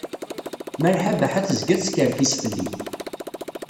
Malḥa Baḥa tezga teskerkis fell-i.